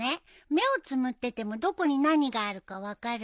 目をつむっててもどこに何があるか分かるんだよ。